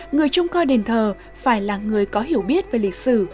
người trông coi đền thờ phải là người có hiểu biết về lịch sử